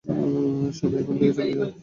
সবাই, এখান থেকে চলে যাও।